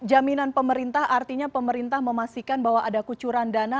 jaminan pemerintah artinya pemerintah memastikan bahwa ada kucuran dana